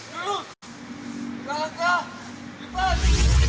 terus berlaka lipat